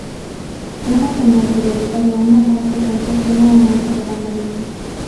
Una señal periódica de una sola frecuencia tiene un ancho de banda mínimo.